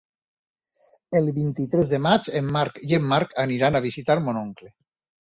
El vint-i-tres de maig en Marc i en Marc aniran a visitar mon oncle.